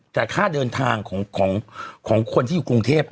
แต่ค่าเดินทางของคนที่อยู่กรุงเทพ